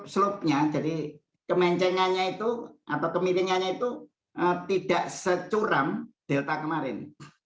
slopnya jadi kemencengannya itu atau kemiringannya itu tidak securam delta kemarin